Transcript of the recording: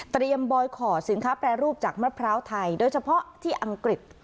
บอยขอสินค้าแปรรูปจากมะพร้าวไทยโดยเฉพาะที่อังกฤษ